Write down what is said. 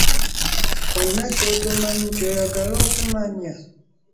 Olina ky’otomanyi ky’oyagala okumanya?